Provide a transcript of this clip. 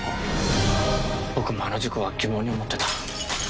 「僕もあの事故は疑問に思ってた」